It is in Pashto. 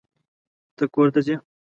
ته کور ته ځې.